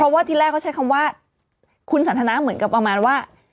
เพราะว่าที่แรกเขาใช้คำว่าคุณสันทนาเหมือนกับประมาณว่า